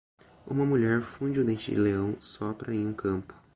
Uma mulher funde o dente-de-leão sopra em um campo.